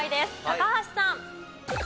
高橋さん。